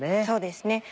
そうですね。